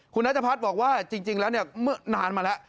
คุณนัทพัฒนาธันตรึบบอกว่าจริงแล้วนานมาแล้ว